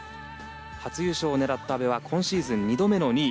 初優勝を狙った阿部は今シーズン２度目の２位。